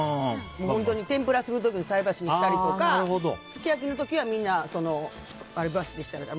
本当に天ぷらする時の菜箸にしたりとかすき焼きの時はみんな割り箸でしたりとか。